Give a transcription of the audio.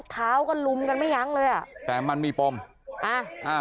เท้าก็ลุมกันไม่หยั้งเลยอ่ะ